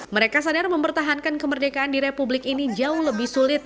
mereka sadar mempertahankan kemerdekaan di republik ini jauh lebih sulit